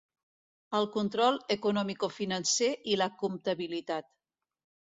El control economicofinancer i la comptabilitat.